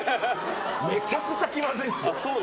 めちゃくちゃ気まずいですよ。